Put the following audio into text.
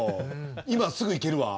今すぐいけるわ。